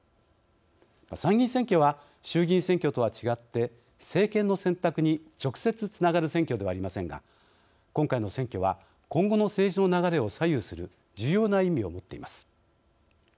参議院選挙は衆議院選挙とは違って政権の選択に直接つながる選挙ではありませんが今回の選挙は今後の政治の流れを左右する重要な意味を持っています。